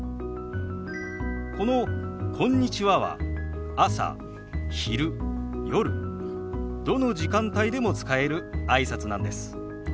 この「こんにちは」は朝昼夜どの時間帯でも使えるあいさつなんです。